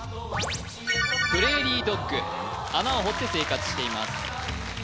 プレーリードッグ穴を掘って生活しています